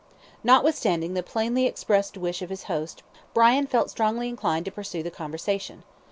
Notwithstanding the plainly expressed wish of his host Brian felt strongly inclined to pursue the conversation.